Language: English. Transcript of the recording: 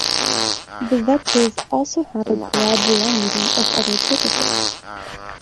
The vetches also have a broad variety of other purposes.